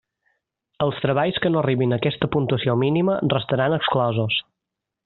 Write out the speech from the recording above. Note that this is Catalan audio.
Els treballs que no arribin a aquesta puntuació mínima restaran exclosos.